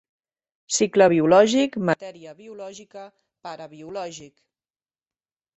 Cicle biològic, matèria biològica, pare biològic.